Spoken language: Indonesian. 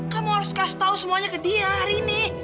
kamu harus kasih tahu semuanya ke dia hari ini